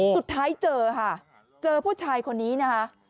สุดท้ายเจอค่ะเจอผู้ชายคนนี้นะฮะ